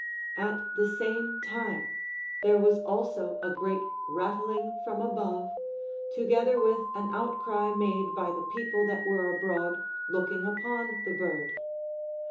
At the same time there was also a great rattling from above, together Avith an outcry made by the people that were abroad look ing upon the bird.